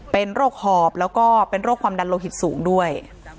เป็นโรคหอบแล้วก็เป็นโรคความดันโลหิตสูงด้วย